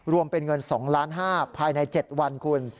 รวมเป็นเงิน๒๕๐๐๐๐๐บาทภายใน๗วันคุณ